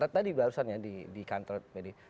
tadi barusan ya di kantor pdi